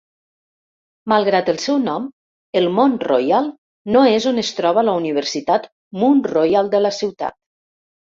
Malgrat el seu nom, el mont Royal no és on es troba la Universitat Mount Royal de la ciutat.